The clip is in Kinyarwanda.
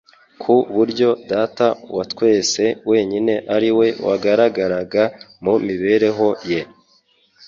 ku buryo Data wa twese wenyine ariwe wagaragaraga mu mibereho ye.